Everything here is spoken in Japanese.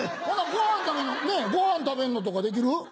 ほなごはん食べるのとかできる？